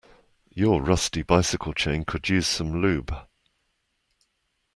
Your rusty bicycle chain could use some lube.